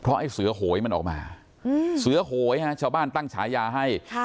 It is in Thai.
เพราะไอ้เสื้อโหยมันออกมาอืมเสื้อโหยฮะชาวบ้านตั้งฉายาให้ค่ะ